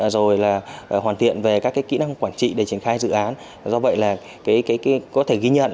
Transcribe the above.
rồi là hoàn thiện về các kỹ năng quản trị để triển khai dự án do vậy là có thể ghi nhận